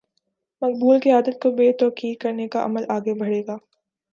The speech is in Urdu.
مقبول قیادت کو بے توقیر کرنے کا عمل آگے بڑھے گا۔